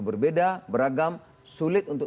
berbeda beragam sulit untuk